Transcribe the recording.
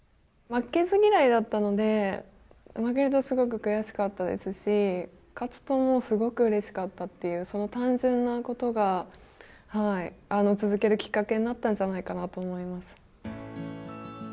負けず嫌いだったので負けるとすごく悔しかったですし勝つともうすごくうれしかったっていうその単純なことがはい続けるきっかけになったんじゃないかなと思います。